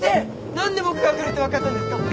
何で僕が来るって分かったんですか？